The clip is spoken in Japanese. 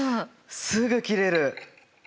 すぐ切れる。